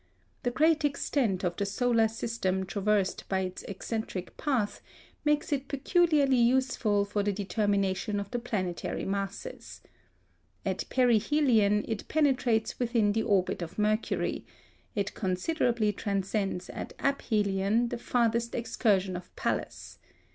The great extent of the solar system traversed by its eccentric path makes it peculiarly useful for the determination of the planetary masses. At perihelion it penetrates within the orbit of Mercury; it considerably transcends at aphelion the farthest excursion of Pallas.